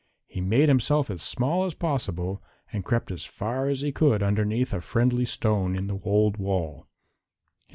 He made himself as small as possible and crept as far as he could underneath a friendly stone in the old wall.